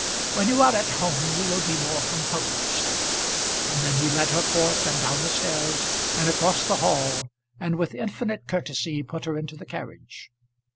When you are at home you will be more composed." And then he led her forth, and down the stairs, and across the hall, and with infinite courtesy put her into the carriage.